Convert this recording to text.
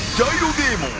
デーモン